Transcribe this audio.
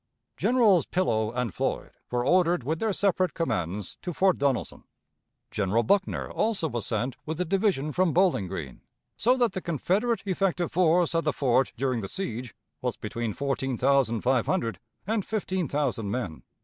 Generals Pillow and Floyd were ordered with their separate commands to Fort Donelson. General Buckner also was sent with a division from Bowling Green; so that the Confederate effective force at the fort during the siege was between fourteen thousand five hundred and fifteen thousand men.